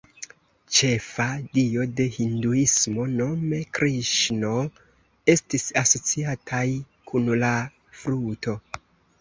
Ĉefa dio de Hinduismo, nome Kriŝno, estis asociataj kun la fluto.